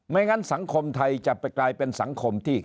งั้นสังคมไทยจะไปกลายเป็นสังคมที่